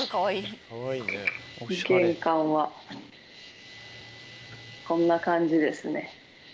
玄関はこんな感じですね。